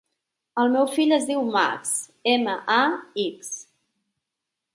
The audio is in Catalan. El meu fill es diu Max: ema, a, ics.